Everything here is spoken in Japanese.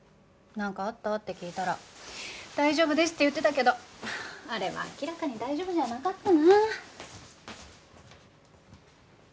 「なんかあった？」って聞いたら「大丈夫です」って言ってたけどあれは明らかに大丈夫じゃなかったな。